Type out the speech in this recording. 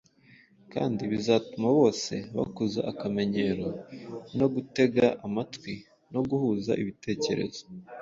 kandi bizatuma bose bakuza akamenyero ko gutega amatwi no guhuza ibitekerezo.